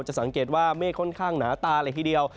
สังเกตว่าเมฆค่อนข้างหนาตาเลยทีเดียว